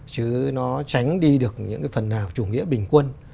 chứ nó tránh đi được những cái phần nào chủ nghĩa bình quân